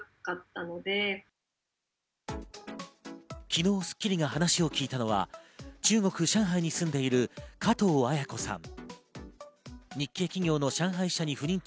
昨日『スッキリ』が話を聞いたのは、中国、上海に住んでいる加藤彩子さん。